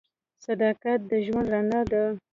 صداقت د ژوند رڼا ده.